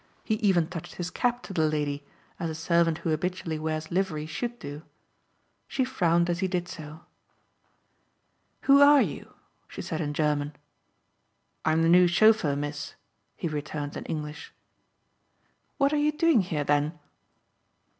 He even touched his cap to the lady as a servant who habitually wears livery should do. She frowned as he did so. "Who are you?" she said in German. "I'm the new chauffeur, miss," he returned in English. "What are you doing here, then?"